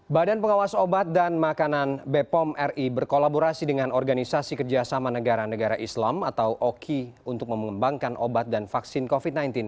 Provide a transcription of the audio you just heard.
badan pengawas obat dan makanan bepom ri berkolaborasi dengan organisasi kerjasama negara negara islam atau oki untuk mengembangkan obat dan vaksin covid sembilan belas